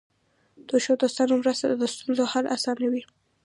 د ښو دوستانو مرسته د ستونزو حل آسانوي.